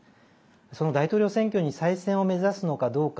その大統領選挙に再選を目指すのかどうか。